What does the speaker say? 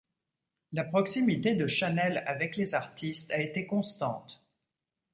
La proximité de Chanel avec les artistes a été constante.